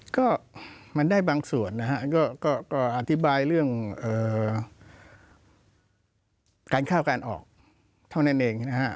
ก็มันได้บางส่วนนะฮะก็อธิบายเรื่องการเข้าการออกเท่านั้นเองนะฮะ